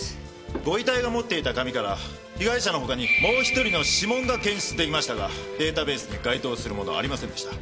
ご遺体が持っていた紙から被害者の他にもう一人の指紋が検出できましたがデータベースに該当するものはありませんでした。